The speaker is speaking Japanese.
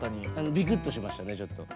ビクッとしましたねちょっと。